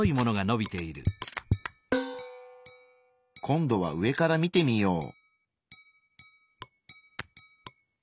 今度は上から見てみよう。